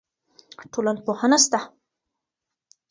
ټولنپوهنه سته.